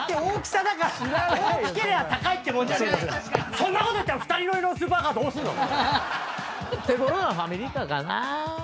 そんなこと言ったら２人乗りのスーパーカーどうすんの⁉手ごろなファミリーカーかなぁ。